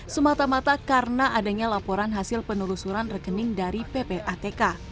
semata mata karena adanya laporan hasil penelusuran rekening dari ppatk